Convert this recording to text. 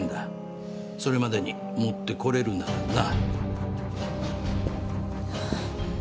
それまでに持ってこれるならな。